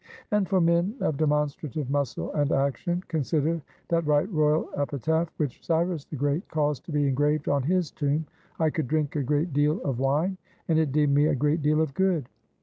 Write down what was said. And for men of demonstrative muscle and action, consider that right royal epitaph which Cyrus the Great caused to be engraved on his tomb "I could drink a great deal of wine, and it did me a great deal of good."